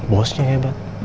bosnya yang hebat